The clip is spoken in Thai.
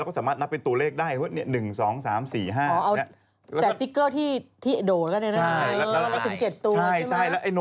เราก็สามารถนับเป็นตัวเลขได้เพราะว่าเนี่ย๑๒๓๔๕